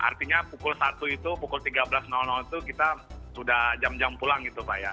artinya pukul satu itu pukul tiga belas itu kita sudah jam jam pulang gitu pak ya